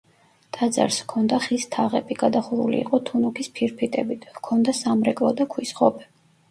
ტაძარს ჰქონდა ხის თაღები, გადახურული იყო თუნუქის ფირფიტებით, ჰქონდა სამრეკლო და ქვის ღობე.